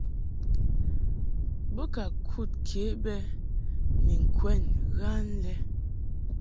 Bo ka kud ke bɛ ni ŋkwɛn ghan lɛ.